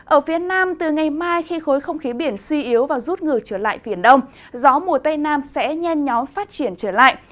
ở phía nam từ ngày mai khi khối không khí biển suy yếu và rút ngừa trở lại phiền đông gió mùa tây nam sẽ nhen nhóm phát triển trở lại